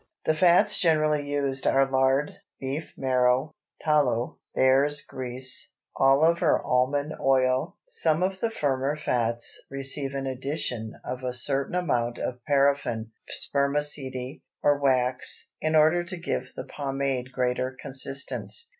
The fats generally used are lard, beef marrow, tallow, bears' grease, olive or almond oil; some of the firmer fats receive an addition of a certain amount of paraffin, spermaceti, or wax, in order to give the pomade greater consistence.